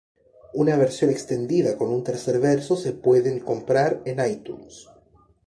Una versión extendida con un tercer verso se pueden comprar en iTunes.